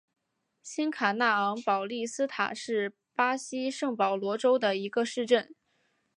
新卡纳昂保利斯塔是巴西圣保罗州的一个市镇。